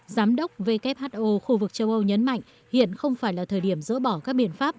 giám đốc who khu vực châu âu nhấn mạnh hiện không phải là thời điểm dỡ bỏ các biện pháp